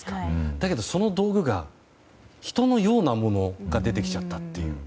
だけど、その道具で人のようなものが出てきちゃったっていう。